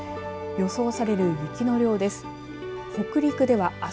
予想される雪の量です。